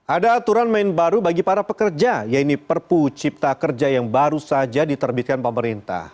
ada aturan main baru bagi para pekerja yaitu perpu cipta kerja yang baru saja diterbitkan pemerintah